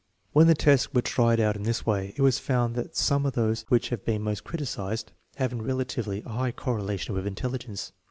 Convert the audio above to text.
When the tests were tried out in this way it was found that some of those which have been most criticised have in real ity a high correlation with intelligence.